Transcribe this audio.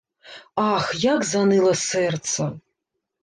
Ах, як заныла сэрца.